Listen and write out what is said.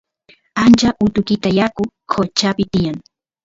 ancha utukita yaku qochapi tiyan